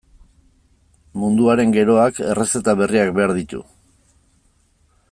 Munduaren geroak errezeta berriak behar ditu.